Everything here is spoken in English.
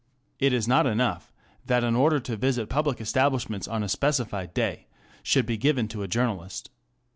It is not enough that an order to visit public establishments on a specified day should be given to a journalist.